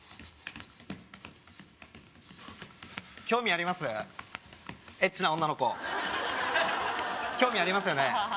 興味ありますよね？